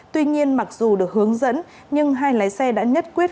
tuy nhiên mặc dù được hướng dẫn nhưng hai lái xe đã nhất quyết